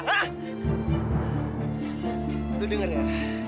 lu denger ya